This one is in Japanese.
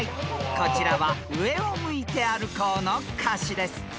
こちらは『上を向いて歩こう』の歌詞です］